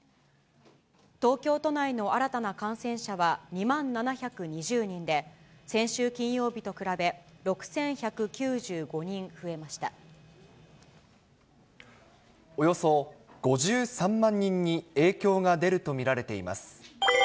東京都内の新たな感染者は２万７２０人で、先週金曜日と比べ、およそ５３万人に影響が出ると見られています。